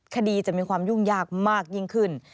คดีจะมีความยุ่งยากมากยิ่งขึ้น